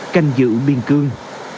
canh giữ biên cương